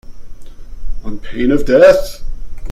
On pain of death.